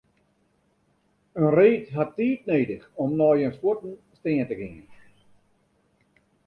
In reed hat tiid nedich om nei jins fuotten stean te gean.